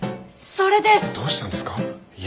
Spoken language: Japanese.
それです！